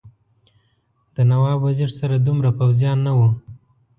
د نواب وزیر سره دومره پوځیان نه وو.